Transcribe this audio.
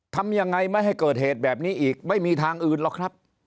ทำยังไงไม่ให้เกิดเหตุแบบนี้อีกไม่มีทางอื่นหรอกครับ